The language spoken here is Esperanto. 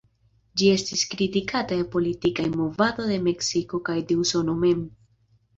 Ĝi estas kritikata de politikaj movadoj de Meksiko kaj de Usono mem.